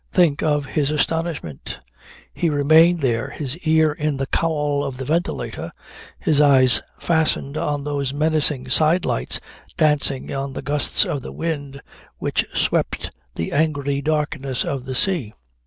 Think of his astonishment! He remained there, his ear in the cowl of the ventilator, his eyes fastened on those menacing sidelights dancing on the gusts of wind which swept the angry darkness of the sea.